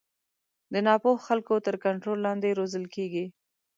د نا پوه خلکو تر کنټرول لاندې روزل کېږي.